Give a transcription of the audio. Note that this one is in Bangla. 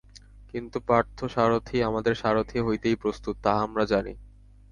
কিন্তু পার্থসারথি আমাদের সারথি হইতেই প্রস্তুত, তাহা আমরা জানি।